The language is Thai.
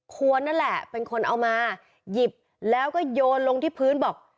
คนนั่นแหละเป็นคนเอามาหยิบแล้วก็โยนลงที่พื้นบอก